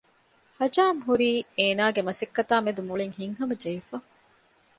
ހަޖާމް ހުރީ އޭނާގެ މަސައްކަތާ މެދު މުޅިން ހިތްހަމަ ޖެހިފަ